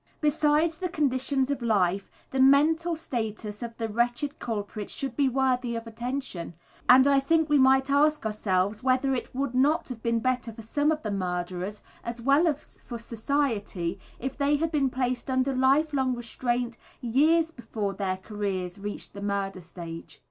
Besides the conditions of life, the mental status of the wretched culprits should be worthy of attention, and I think we might ask ourselves whether it would not have been better for some of the murderers, as well as for society, if they had been placed under life long restraint years before their careers reached the murder stage.